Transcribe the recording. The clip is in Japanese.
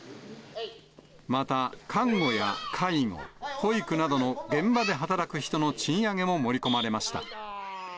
また、看護や介護、保育などの現場で働く人の賃上げも盛り込まれました。